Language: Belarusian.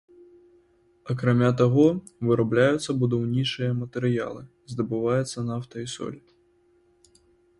Акрамя таго, вырабляюцца будаўнічыя матэрыялы, здабываецца нафта і соль.